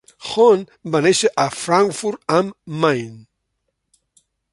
Hahn va néixer a Frankfurt am Main.